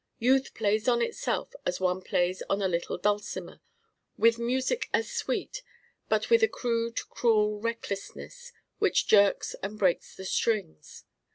Youth plays on itself as one plays on a little dulcimer, with music as sweet, but with a crude cruel recklessness which jerks and breaks the strings.